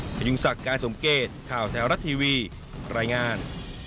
พยุงศักดิ์การสมเกตข่าวแถวรัฐทีวีรายงาน